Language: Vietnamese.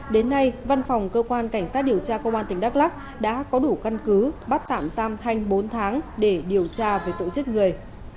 đến nay văn phòng cơ quan cảnh sát điều tra công an tỉnh đắk lắc đã có đủ căn cứ bắt tạm giam thanh bốn tháng để điều tra về tội giết người